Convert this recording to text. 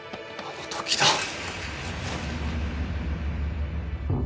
あの時だ。